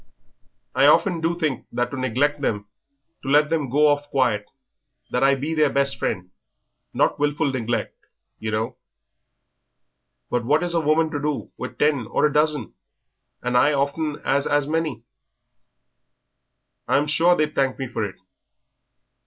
I often do think that to neglect them, to let them go off quiet, that I be their best friend; not wilful neglect, yer know, but what is a woman to do with ten or a dozen, and I often 'as as many? I am sure they'd thank me for it."